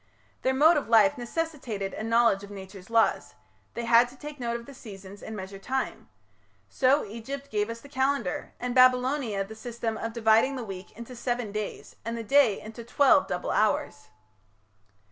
Their mode of life necessitated a knowledge of Nature's laws; they had to take note of the seasons and measure time. So Egypt gave us the Calendar, and Babylonia the system of dividing the week into seven days, and the day into twelve double hours.